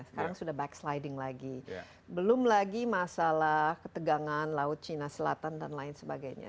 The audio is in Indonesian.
sekarang sudah backsliding lagi belum lagi masalah ketegangan laut cina selatan dan lain sebagainya